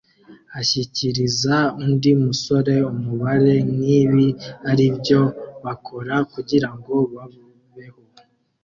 ashyikiriza undi musore umubare nkibi aribyo bakora kugirango babeho